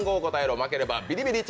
負ければビリビリ！